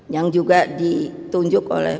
yang juga ditunjuk oleh